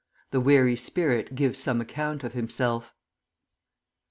THE WEARY SPIRIT GIVES SOME ACCOUNT OF HIMSELF.